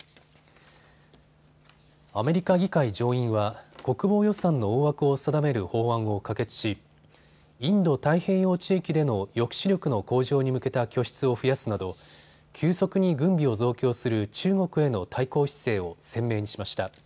アメリカ議会上院は国防予算の大枠を定める法案を可決しインド太平洋地域での抑止力の向上に向けた拠出を増やすなど急速に軍備を増強する中国への対抗姿勢を鮮明にしました。